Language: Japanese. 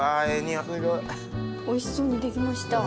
おいしそうにできました。